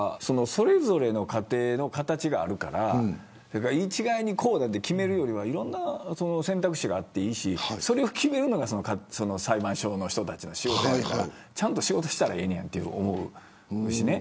それぞれの家庭の形があるから一概にこうだと決めるよりはいろんな選択肢があっていいしそれを決めるのが裁判所の人たちの仕事やからちゃんと仕事したらええねやんと思うしね。